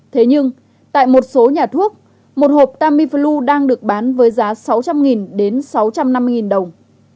thế nhưng tại một số nhà thuốc một hộp tamiflu đang được bán với giá sáu trăm linh đến sáu trăm năm mươi đồng